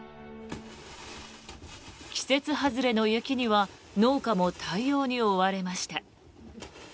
季節外れの雪には農家も対応に追われました。